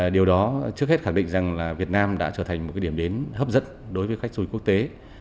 điều đó trước hết khẳng định rằng là việt nam đã trở thành một điểm đến hấp dẫn đối với khách du lịch quốc tế